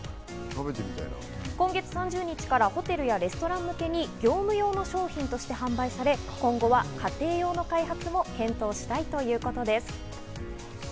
今月３０日からホテルやレストラン向けに業務用の商品として販売され、今後は家庭用の開発も検討したいということです。